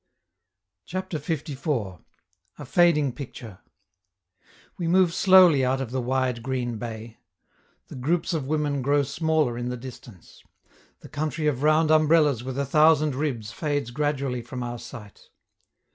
CHAPTER LIV. A FADING PICTURE We move slowly out of the wide green bay. The groups of women grow smaller in the distance. The country of round umbrellas with a thousand ribs fades gradually from our sight.